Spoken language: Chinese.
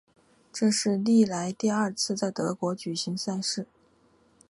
这是历来第二次在德国举行赛事。